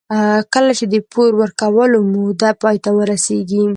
کله چې د پور ورکولو موده پای ته ورسېږي